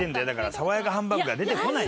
さわやかハンバーグが出てこない。